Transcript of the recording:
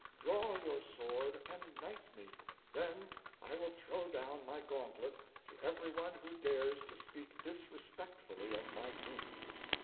Draw your sword and knight me, then I will throw down my gauntlet, to everyone who dares to speak disrespectfully of my king.'